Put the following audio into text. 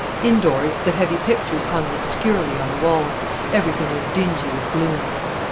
Indoors the heavy pictures hung obscurely on the walls, everything was dingy with gloom.